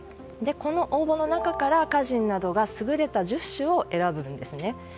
この応募の中から歌人などが、優れた１０首を選ぶんです。